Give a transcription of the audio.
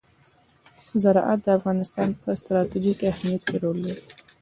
زراعت د افغانستان په ستراتیژیک اهمیت کې رول لري.